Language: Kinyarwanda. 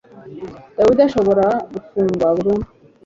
David ashobora gufungwa burundu